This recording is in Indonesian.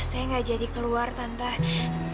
saya nggak jadi keluar tante